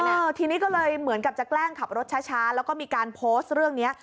เออทีนี้ก็เลยเหมือนกับจะแกล้งขับรถช้าแล้วก็มีการโพสต์เรื่องนี้